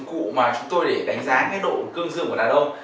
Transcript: đây là một dụng cụ mà chúng tôi để đánh giá độ cương dương của đá đông